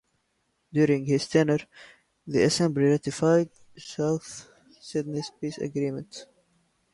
During his tenure the assembly ratified the South Sudanese Peace Agreement.